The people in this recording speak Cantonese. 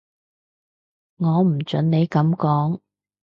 我唔準你噉講